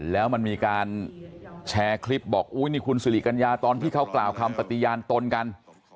แล้วมันมีการแชร์คลิปบอกอุ้ยนี่คุณสิริกัญญาตอนที่เขากล่าวคำปฏิญาณตนกัน